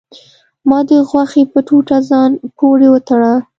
ما د غوښې په ټوټه ځان پورې وتړه.